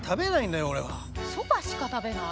そばしか食べない？